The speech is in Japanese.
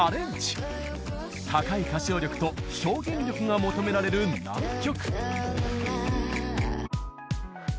高い歌唱力と表現力が求められる難曲。